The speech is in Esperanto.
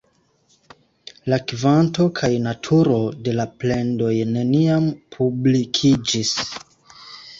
La kvanto kaj naturo de la plendoj neniam publikiĝis.